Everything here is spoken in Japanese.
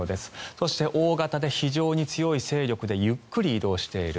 そして、大型で非常に強い勢力でゆっくり移動している。